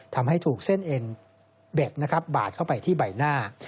ทำให้ถูกเส้นเอนเบ็ดบาดเข้าไปที่ใบหน้า